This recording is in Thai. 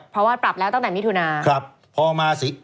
เพราะว่าปรับแล้วตั้งแต่มิถุนา